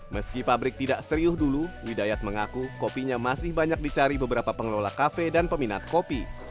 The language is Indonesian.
meski pabrik tidak serius dulu widayat mengaku kopinya masih banyak dicari beberapa pengelola kafe dan peminat kopi